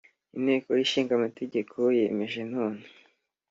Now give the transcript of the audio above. Inteko ishinga amategeko yemeje none